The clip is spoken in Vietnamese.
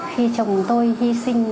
khi chồng tôi hy sinh